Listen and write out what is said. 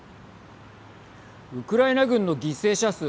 ウクライナ軍の犠牲者数